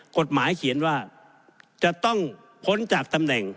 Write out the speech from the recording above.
กฎหมายเขียนว่าจะต้องพ้นจากตำแหน่ง